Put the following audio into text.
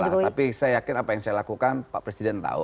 tapi saya yakin apa yang saya lakukan pak presiden tahu